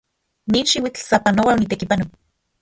Nin xiuitl sapanoa onitekipanok.